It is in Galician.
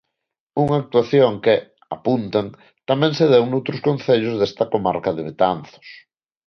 Unha actuación que, apuntan, tamén se deu noutros concellos desta comarca de Betanzos.